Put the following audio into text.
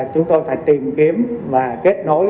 chúng tôi phải tìm kiếm và kết nối